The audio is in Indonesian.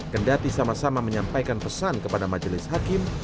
kendati sama sama menyampaikan pesan kepada majelis hakim